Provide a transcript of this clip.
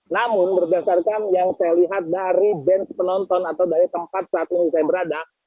namun berdasarkan yang saya lihat dari bench penonton atau dari tempat saat ini saya berada